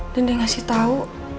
dan dia ngasih tau